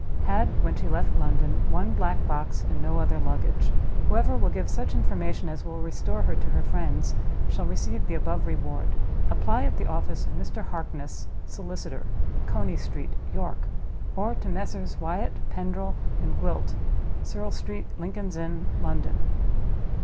Had, when she left London, one black box, and no other luggage. Whoever will give such information as will restore her to her friends shall receive the above Reward. Apply at the office of Mr. Harkness, solicitor, Coney Street, York. Or to Messrs. Wyatt, Pendril, and Gwilt, Serle Street, Lincoln's Inn, London."